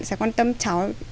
sẽ quan tâm cháu